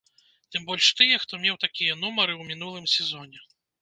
Тым больш тыя, хто меў такія нумары ў мінулым сезоне.